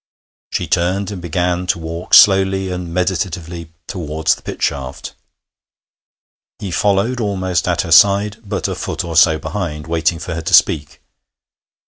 She turned and began to walk slowly and meditatively towards the pit shaft. He followed almost at her side, but a foot or so behind, waiting for her to speak.